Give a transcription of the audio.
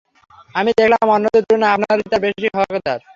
আমি দেখলাম, অন্যদের তুলনায় আপনারাই তার বেশী হকদার।